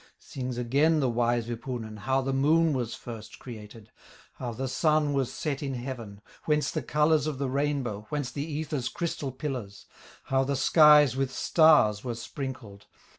Sings again the wise Wipunen, How the Moon was first created, How the Sun was set in heaven, Whence the colors of the rainbow, Whence the ether's crystal pillars, How the skies with stars were sprinkled.